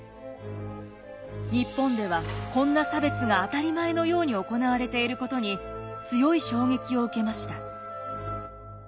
日本ではこんな差別が当たり前のように行われていることに強い衝撃を受けました。